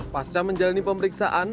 pasca menjalani pemeriksaan